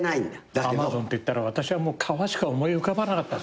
アマゾンっていったら私はもう川しか思い浮かばなかったですね。